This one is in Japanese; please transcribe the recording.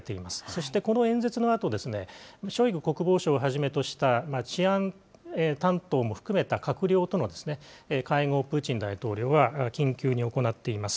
そしてこの演説のあと、ショイグ国防相をはじめとした治安担当も含めた閣僚との会合をプーチン大統領は緊急に行っています。